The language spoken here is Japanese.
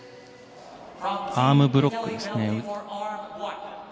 アームブロックですね。